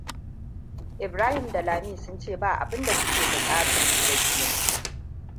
Ibrahim da Lami sun ce ba abin da suke bukatar yi ba ke nan.